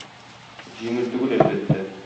Җиңел түгел, әлбәттә.